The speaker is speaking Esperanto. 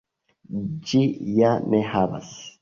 Ĝi ja ne havas!